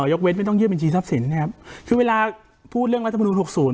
ยกเว้นไม่ต้องยื่นบัญชีทรัพย์สินนะครับคือเวลาพูดเรื่องรัฐมนุน๖๐